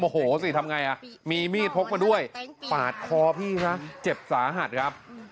โอ้โหสิทำยังไงอ่ะมีมีดพนมันด้วยปาดคอพี่ครับเจ็บสาหัตรครับ